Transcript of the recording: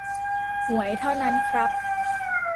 หวยเท่านั้นครับ